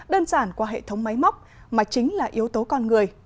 đơn giản qua hệ thống máy móc mà chính là yếu tố con người